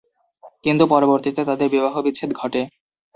কিন্তু পরবর্তীতে তাঁদের বিবাহ বিচ্ছেদ ঘটে।